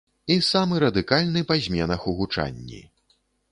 І самы радыкальны па зменах у гучанні.